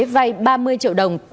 vay ba mươi triệu đồng